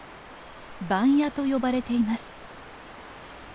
「番屋」と呼ばれています。